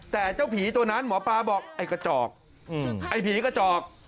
แต่เจ้าผีตัวนั้นหมอปลาบอกไอ้กระจอกไอ้ผีกระจอก